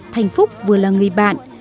thanh phúc vừa là người bạn